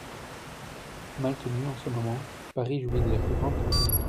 Maltenu En ce moment, Paris jouit de la plus grande tranquillité…